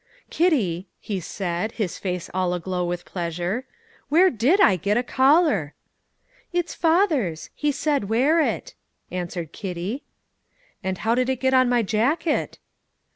"Kitty," he said, his face all aglow with pleasure, "where did I get a collar?" "It's father's; he said wear it," answered Kitty. "And how did it get on my jacket?"